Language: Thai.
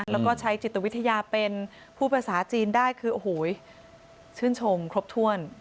แล้วก็ใช้จิตวิทยาเป็นพูดภาษาจีนได้คือโอ้โหชื่นชมครบถ้วน